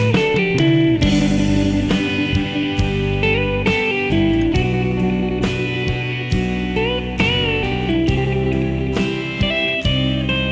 ถ้าหยุดก็คือ